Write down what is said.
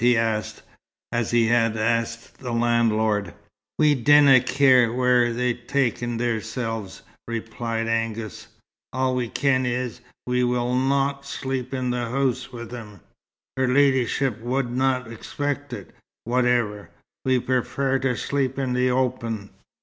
he asked, as he had asked the landlord. "We dinna ken whaur they've ta'en theirsel's," replied Angus. "All we ken is, we wull not lie in the hoose wi' 'em. Her leddyship wadna expect it, whateffer. We prefair t' sleep in th' open."